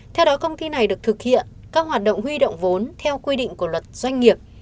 theo đó công ty này được thực hiện các hoạt động huy động vốn theo quy định của luật doanh nghiệp